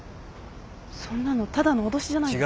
そんなのただの脅しじゃないですか。